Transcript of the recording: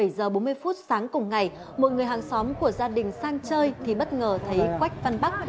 bảy giờ bốn mươi phút sáng cùng ngày một người hàng xóm của gia đình sang chơi thì bất ngờ thấy quách văn bắc